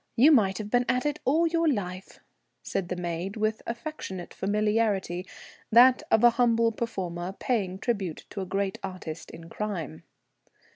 You might have been at it all your life," said the maid, with affectionate familiarity, that of a humble performer paying tribute to a great artist in crime.